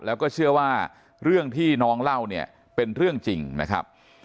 แล้วก็เชื่อว่าเรื่องที่น้องเล่าเนี่ยเป็นเรื่องจริงนะครับ